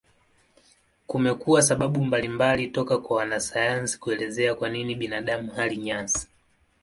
Kumekuwa sababu mbalimbali toka kwa wanasayansi kuelezea kwa nini binadamu hali nyasi.